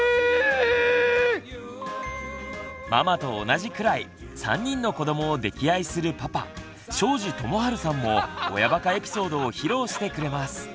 ママと同じくらい３人の子どもを溺愛するパパ庄司智春さんも親バカエピソードを披露してくれます。